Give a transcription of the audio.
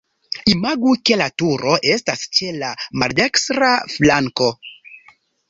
Imagu ke la turo estas ĉe la maldekstra flanko.